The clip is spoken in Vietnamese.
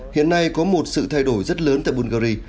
hiện nay có một sự thay đổi rất lớn tại bungary